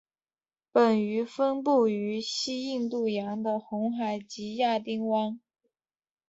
本鱼分布于西印度洋的红海及亚丁湾。